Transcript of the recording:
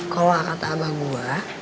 kalau kata abah gue